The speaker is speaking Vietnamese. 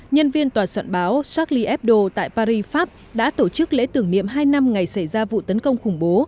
nhân viên tòa soạn báo charles tại paris pháp đã tổ chức lễ tưởng niệm hai năm ngày xảy ra vụ tấn công khủng bố